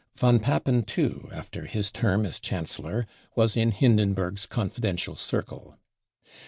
Von Papen too, after his term as Chancellor, was in Hindenburg's confidential circle.